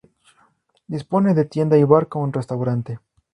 Dispone de tienda y bar con restaurante.